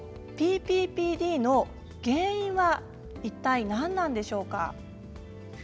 ＰＰＰＤの原因は何なんでしょうか。